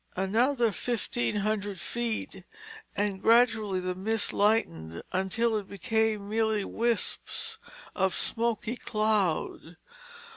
Another fifteen hundred feet and gradually the mist lightened until it became mere wisps of smoky cloud.